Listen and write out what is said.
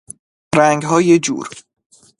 رنگهای جور